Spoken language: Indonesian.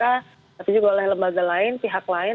tapi juga oleh lembaga lain pihak lain